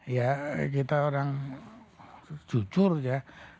ya kita orang jujur ya